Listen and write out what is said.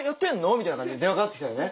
みたいな感じで電話かかってきたよね。